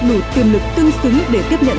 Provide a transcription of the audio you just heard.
đủ tiềm lực tương xứng để tiếp nhận